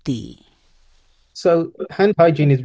jadi higiena tangan sangat penting